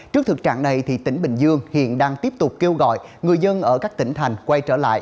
trước thực trạng này tỉnh bình dương hiện đang tiếp tục kêu gọi người dân ở các tỉnh thành quay trở lại